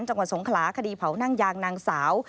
จังหวัดสงขลาคดีเผานั่งยางนางสาว